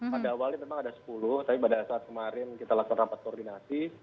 pada awalnya memang ada sepuluh tapi pada saat kemarin kita lakukan rapat koordinasi